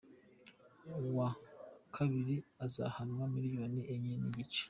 Uwa kabiri azahabwa miliyoni enye n’igice .